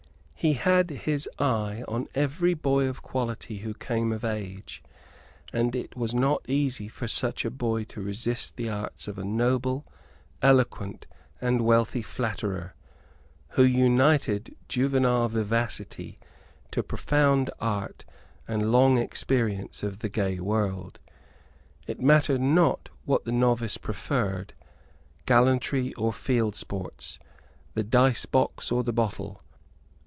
He had his eye on every boy of quality who came of age; and it was not easy for such a boy to resist the arts of a noble, eloquent and wealthy flatterer, who united juvenile vivacity to profound art and long experience of the gay world. It mattered not what the novice preferred, gallantry or field sports, the dicebox or the bottle.